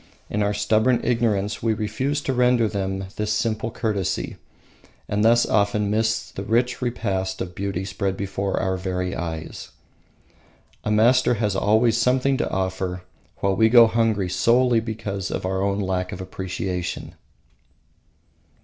In our stubborn ignorance we refuse to render them this simple courtesy, and thus often miss the rich repast of beauty spread before our very eyes. A master has always something to offer, while we go hungry solely because of our own lack of appreciation.